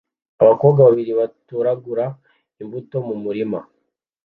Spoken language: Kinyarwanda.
Abakobwa babiri batoragura imbuto mu murima